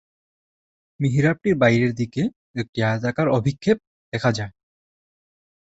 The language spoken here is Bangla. মিহরাবটির বাইরের দিকে একটি আয়তাকার অভিক্ষেপ দেখা যায়।